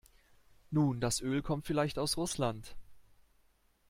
Nun, das Öl kommt vielleicht aus Russland.